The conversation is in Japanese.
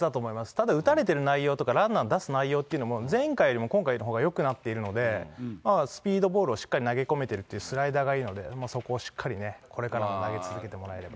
ただ打たれてる内容とか、ランナーを出す内容というのも、前回よりも今回のほうがよくなっているので、スピードボールをしっかり投げ込めてるという、スライダーが、そこをしっかりね、これからも投げ続けてもらえれば。